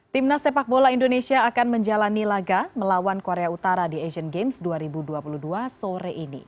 timnas sepak bola indonesia akan menjalani laga melawan korea utara di asian games dua ribu dua puluh dua sore ini